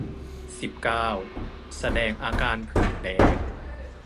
สิบเก้า แสดงอาการผื่นแดง